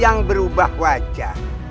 yang berubah wajah